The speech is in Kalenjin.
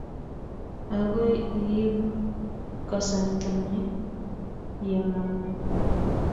agoi iib kasarta nyin ye manyo